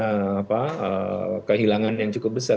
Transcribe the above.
ini kan kehilangan yang cukup besar